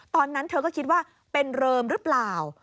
ตอนนั้นเธอก็คิดว่าเป็นเริมหรือเปล่า